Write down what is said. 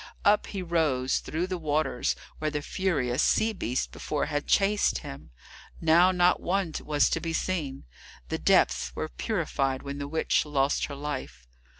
Up he rose through the waters where the furious sea beasts before had chased him. Now not one was to be seen; the depths were purified when the witch lost her life.